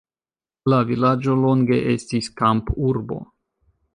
La vilaĝo longe estis kampurbo.